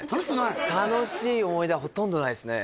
楽しい思い出はほとんどないですね